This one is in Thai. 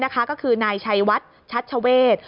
ก็คือนายชัยวัดชัชเวศ